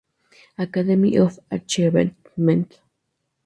Academy of Achievement.